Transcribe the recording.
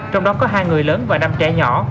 trong đó có hai người lớn và năm trẻ nhỏ